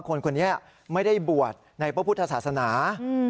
คนคนนี้ไม่ได้บวชในพระพุทธศาสนา